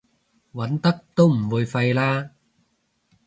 揾得都唔會廢啦